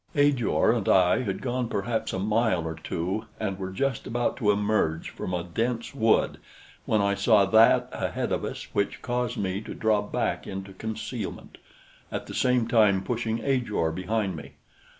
Ajor and I had gone perhaps a mile or two and were just about to emerge from a dense wood when I saw that ahead of us which caused me to draw back into concealment, at the same time pushing Ajor behind me.